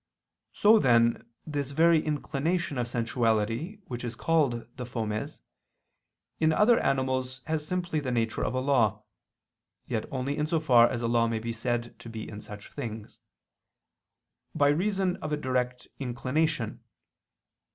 So, then, this very inclination of sensuality which is called the fomes, in other animals has simply the nature of a law (yet only in so far as a law may be said to be in such things), by reason of a direct inclination.